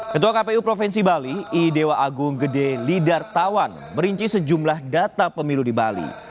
ketua kpu provinsi bali i dewa agung gede lidartawan merinci sejumlah data pemilu di bali